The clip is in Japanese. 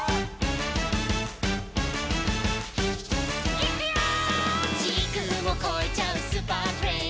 「いくよー！」